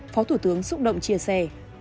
phó thủ tướng xúc động chia sẻ